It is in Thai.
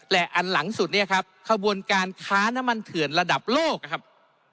และอันหลังสุดเนี่ยครับขบวนการค้าน้ำมันเถื่อนระดับโลกนะครับ